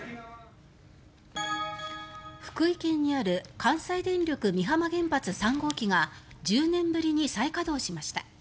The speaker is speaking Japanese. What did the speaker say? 福井県にある関西電力美浜原発３号機が１０年ぶりに再稼働しました。